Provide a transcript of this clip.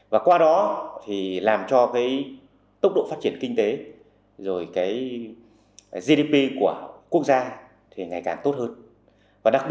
và qua đó thì làm cho cái tốc độ phát triển kinh tế rồi cái gdp của quốc gia thì ngày càng tốt hơn